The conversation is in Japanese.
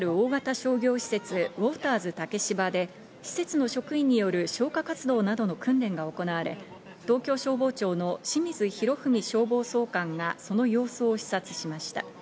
商業施設ウォーターズ竹芝で施設の職員による消火活動などの訓練が行われ、東京消防庁の清水洋文消防総監がその様子を視察しました。